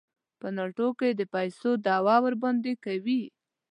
په تاڼو کې د پيسو دعوه ورباندې کوي.